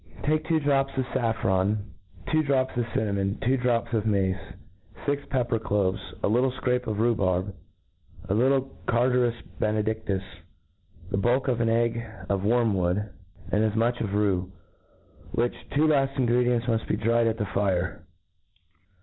Take two drops of faffron, two drops of cinnamon, two drops of mace, fix pepper cloves, a little fcrape of rhubarb, a little carduus benediftus, the bulk of an egg of wormwood, and as much of tue ; which two laft ingredients muft be dried at the fire.